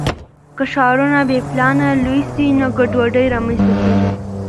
که ښارونه بې پلانه لوی سي نو ګډوډي رامنځته کیږي.